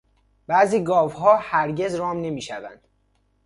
بعضی گاوها هرگز رام نمیشوند.